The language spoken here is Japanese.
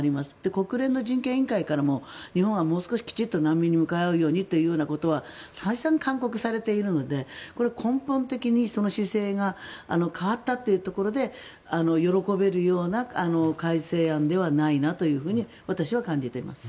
国連の人権委員会からも日本はもう少し難民に向き合うようにということは再三、勧告されているのでこれは根本的にその姿勢が変わったというところで喜べるような改正案ではないなというふうに私は感じています。